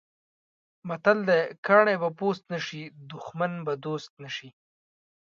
متل دی: کاڼی به پوست نه شي، دښمن به دوست نه شي.